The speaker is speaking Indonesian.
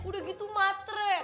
udah gitu matre